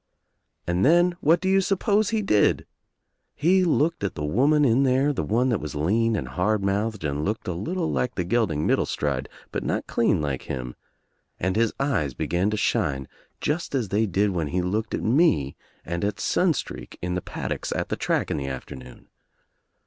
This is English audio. And then, what do you suppose he did! He looked at the woman in there, the one that was lean and hard mouthed and looked a little like the gelding Middle stride, but not clean like him, and his eyes began to shine just as they did when he looked at me and at I I i WANT TO KNOW WHY I9 Sunstreak in the paddocks at the track in the after noon.